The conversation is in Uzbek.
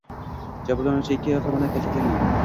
Jabrlanuvchi ikki ayol tomonidan kaltaklangan